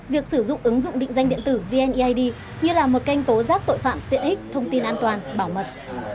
việc sử dụng ứng dụng định danh điện tử vneid như là một kênh tố giác tội phạm tiện ích thông tin an toàn bảo mật